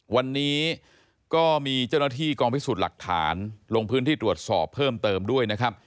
วันนี้ก็มีเจ้าหน้าที่กองพิสูจน์หลักฐานลงพื้นที่ตรวจสอบเพิ่มเติมด้วยนะครับ